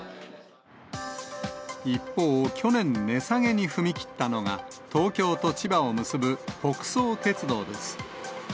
一方、去年、値下げに踏み切ったのが、東京と千葉を結ぶ北総鉄道です。